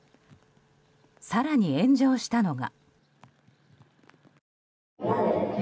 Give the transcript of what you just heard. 更に炎上したのが。